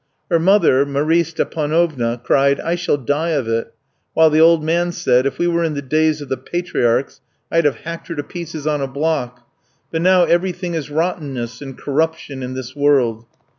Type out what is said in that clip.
"Her mother, Marie Stépanovna, cried, 'I shall die of it,' while the old man said, 'If we were in the days of the patriarchs, I'd have hacked her to pieces on a block. But now everything is rottenness and corruption in this world.'